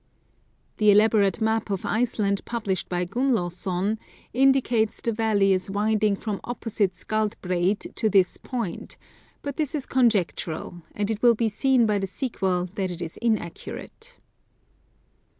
The elaborate map of Iceland published by Gunnlaugson indicates the valley as winding from opposite Skjaldbreid to this point, but this is con jectural ; and it will be seen by the sequel that it is inaccurate.